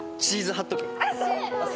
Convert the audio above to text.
チーズハットグ。